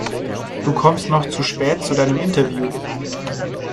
Du kommst noch zu spät zu deinem Interview.